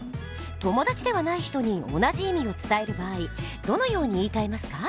友達ではない人に同じ意味を伝える場合どのように言いかえますか？